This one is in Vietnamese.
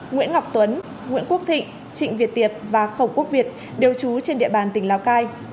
nguyễn ngọc tuấn nguyễn quốc thịnh trịnh việt tiệp và khổng quốc việt đều trú trên địa bàn tỉnh lào cai